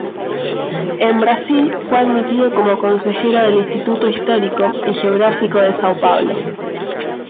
En Brasil, fue admitido como consejero del Instituto Histórico y Geográfico de São Paulo.